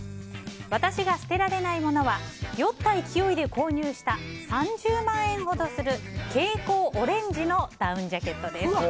私が捨てられないものは酔った勢いで購入した３０万円ほどする蛍光オレンジ色のダウンジャケットです。